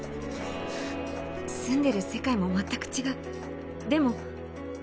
住んでる世界も全く違う。